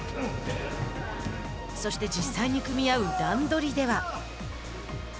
そして、実際に組み合う乱取りでは。